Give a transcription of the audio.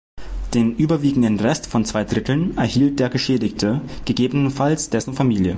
Den überwiegenden Rest von zwei Dritteln erhielt der Geschädigte, gegebenenfalls dessen Familie.